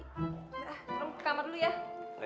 nah ke kamar dulu ya